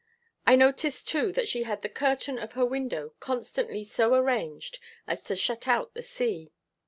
I noticed, too, that she had the curtain of her window constantly so arranged as to shut out the sea.